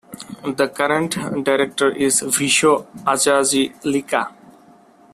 The current director is Visho Ajazi Lika.